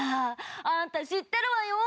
あんた知ってるわよ！」